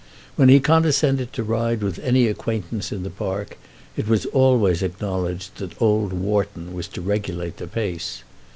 When he condescended to ride with any acquaintance in the park, it was always acknowledged that old Wharton was to regulate the pace.